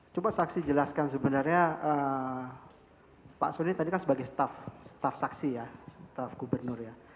coba saksi jelaskan sebenarnya pak suni tadi kan sebagai staff staff saksi ya staff gubernur ya